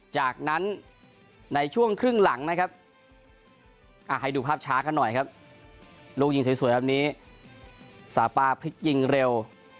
จากนั้นในช่วงครึ่งหลังนะครับให้ดูภาพช้ากันหน่อยครับลูกยิงสวยแบบนี้สาปาพลิกยิงเร็ว